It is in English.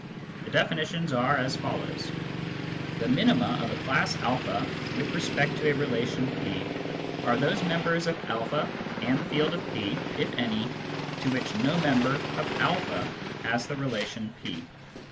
The definitions are as follows :— The " minima " of a class a with respect to a relation P are those members of a and the field of P (if any) to which no member of a has the relation P.